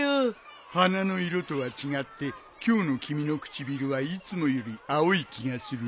花の色とは違って今日の君の唇はいつもより青い気がするね。